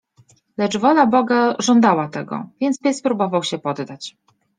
Lecz wola boga żądała tego, więc pies próbował się poddać.